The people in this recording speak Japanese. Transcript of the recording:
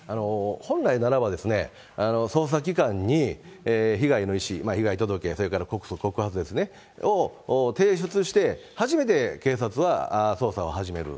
本来ならばですね、捜査機関に被害の意思、被害届、それから告訴、告発ですね、を提出して、初めて警察は捜査を始める。